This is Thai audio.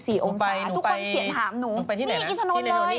ทุกคนเกลียดถามหนูหนูไปที่ไหนที่ไหนหนูนี่ฮะ